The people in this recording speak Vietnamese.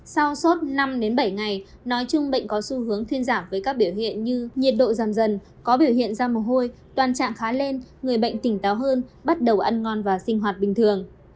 sau suốt năm bảy ngày nói chung bệnh có xu hướng thuyên giảm với các biểu hiện như nhiệt độ giảm dần có biểu hiện da mồ hôi toàn trạng khá lên người bệnh tỉnh táo hơn bắt đầu ăn ngon và sinh hoạt bình thường